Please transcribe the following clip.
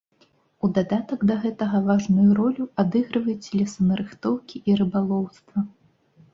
У дадатак да гэтага важную ролю адыгрываюць лесанарыхтоўкі і рыбалоўства.